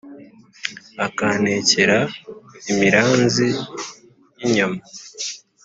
Akantekera imiranzi y’inyama